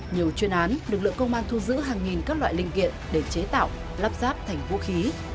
nhiều chuyên án lực lượng công an thu giữ hàng nghìn các loại linh kiện để chế tạo lắp ráp thành vũ khí